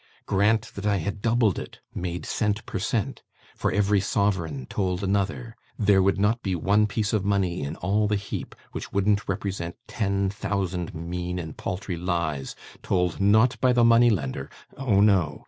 Grant that I had doubled it made cent. per cent. for every sovereign told another there would not be one piece of money in all the heap which wouldn't represent ten thousand mean and paltry lies, told, not by the money lender, oh no!